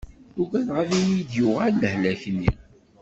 Uggadeɣ ad iyi-d-yuɣal lehlak-nni.